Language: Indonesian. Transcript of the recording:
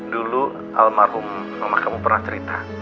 dulu almarhum mama kamu pernah cerita